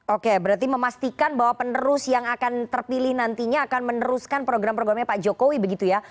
oke berarti memastikan bahwa penerus yang akan terpilih nantinya akan meneruskan program programnya pak jokowi begitu ya